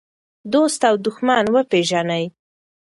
دوست او دښمن وپېژنئ.